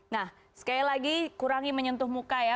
nah sekali lagi kurangi menyentuh muka ya